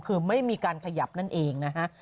คือไม่มีการขยับนั่นเองนะฮะ